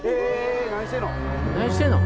何してんの！？